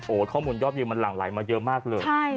ข้อมูลยอดวิวมันหลั่งไหลมาเยอะมากเลย